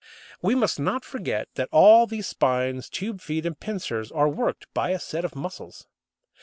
We must not forget that all these spines, tube feet, and pincers are worked by a set of muscles.